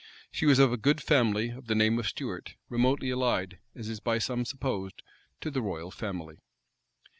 She was of a good family, of the name of Stuart; remotely allied, as is by some supposed, to the royal family.